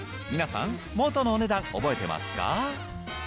皆さん元のお値段覚えてますか？